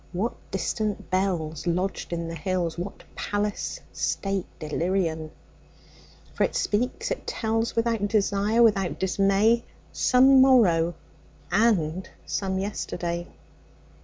What distant bellsLodged in the hills, what palace stateIllyrian! For it speaks, it tells, Without desire, without dismay, Some morrow and some yesterday.